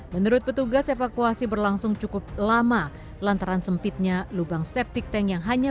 menurut petugas evakuasi berlangsung cukup lama lantaran sempitnya lubang septic tank yang hanya